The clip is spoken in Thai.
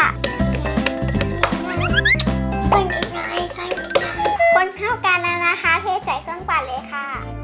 คนเข้ากันแล้วนะคะเทศใส่เครื่องปัดเลยค่ะ